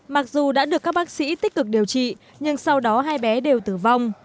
mặc dù đã được các bác sĩ tích cực điều trị nhưng sau đó hai bé đều tử vong